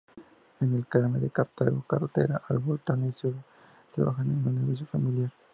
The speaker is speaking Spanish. En El Carmen de Cartago, carretera al Volcán Irazú, trabaja en un negocio familiar.